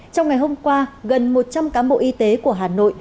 trong ngày hôm qua gần một trăm linh cá mộ y tế của hà nội